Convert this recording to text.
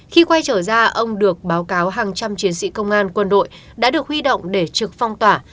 khi quay trở ra ông được báo cáo hàng trăm chiến sĩ công an quân đội đã được huy động để trực phong tỏa